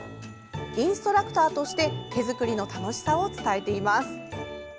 インストラクターとして手作りの楽しさを伝えています。